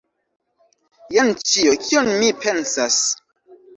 Jen ĉio, kion mi pensas.